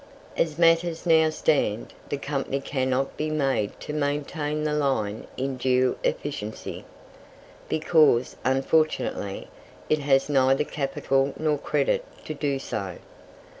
As matters now stand, the company cannot be made to maintain the line in due efficiency, because, unfortunately, it has neither capital nor credit to do so.